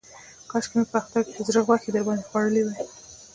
کاشکې مې په اختر کې د زړه غوښې در باندې خوړلې وای.